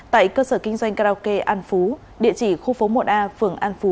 tại cơ sở kinh doanh karaoke an phú địa chỉ khu phố một a phường an phú